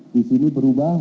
di sini berubah